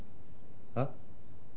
えっ？